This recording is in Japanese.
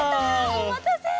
おまたせ。